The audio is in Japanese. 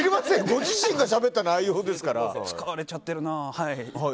ご自身がしゃべった内容が使われちゃってるな。